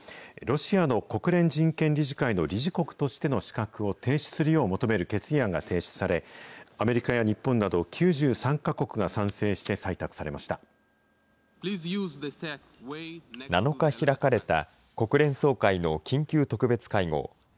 ロシアの国連人権理事会の理事国としての資格を停止するよう求める決議案が提出され、アメリカや日本など９３か国が賛成して採択７日開かれた国連総会の緊急特別会合。